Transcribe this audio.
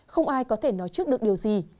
không ai có thể nói trước được điều gì